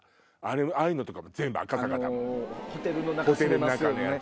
ああいうのとか全部赤坂だもんホテルの中のやつ。